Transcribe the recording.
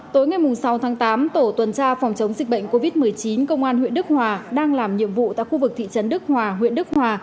tối ngày sáu tháng tám tổ tuần tra phòng chống dịch bệnh covid một mươi chín công an huyện đức hòa đang làm nhiệm vụ tại khu vực thị trấn đức hòa huyện đức hòa